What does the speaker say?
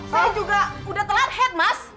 saya juga udah telat head mas